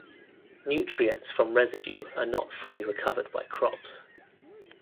Nutrients from residue are not fully recovered by crops.